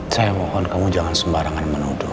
saya mohon kamu jangan sembarangan menuduh